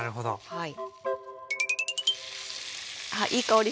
はい。